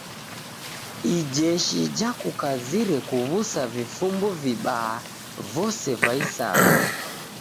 Ijeshi jakukazire kuw'usa vifumbu vibaa vose va isanga.